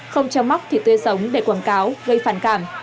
không chăm móc thịt tươi sống để quảng cáo gây phản cảm